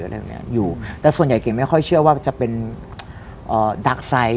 แหละส่วนใหญ่เล่นวู้ยังไม่ค่อยเชื่อว่าไปดรักไซค์